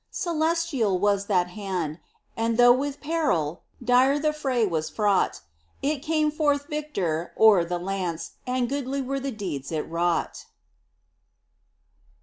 Celestial was that hand, and though With peril dire the fray was fraught. It came forth victor o'er the lance And goodly were the deeds it wrought.